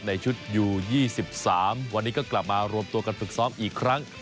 ในชุดยู๒๓วันนี้ก็กลับมารวมตัวกันฝึกซ้อมอีกครั้ง